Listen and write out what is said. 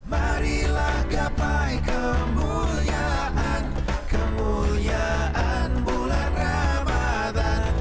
marilah gapai kemuliaan kemuliaan bulan ramadhan